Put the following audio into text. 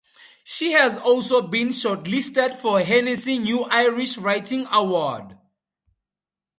She has also been shortlisted for Hennessy New Irish Writing Award.